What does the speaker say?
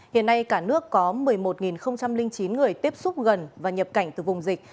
hiện nay cả nước có một mươi một chín người tiếp xúc gần và nhập cảnh từ vùng dịch